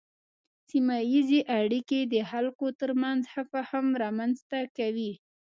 سیمه ایزې اړیکې د خلکو ترمنځ ښه فهم رامنځته کوي.